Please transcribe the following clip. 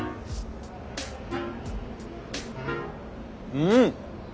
うん！